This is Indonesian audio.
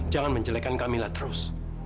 jangan menjelekan kamila terus